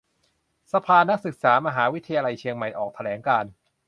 สภานักศึกษามหาวิทยาลัยเชียงใหม่ออกแถลงการณ์